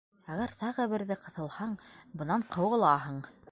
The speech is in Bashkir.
Әгәр тағы берҙе ҡыҫылһаң, бынан ҡыуылаһың.